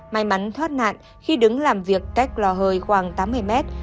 may mắn thoát nạn khi đứng làm việc cách lò hơi khoảng tám mươi mét